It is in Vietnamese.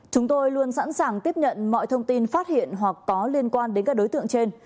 chúng tôi luôn sẵn sàng tiếp nhận mọi thông tin phát hiện hoặc có liên quan đến các đối tượng trên